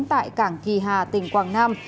tại cảng kỳ hà tỉnh quảng nam